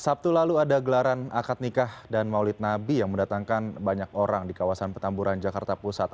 sabtu lalu ada gelaran akad nikah dan maulid nabi yang mendatangkan banyak orang di kawasan petamburan jakarta pusat